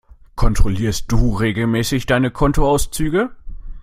Kontrollierst du regelmäßig deine Kontoauszüge?